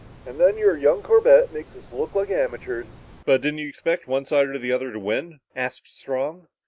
And then your young Corbett makes us look like amateurs." "But didn't you expect one side or the other to win?" asked Strong.